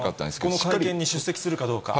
この会見に出席するかどうか。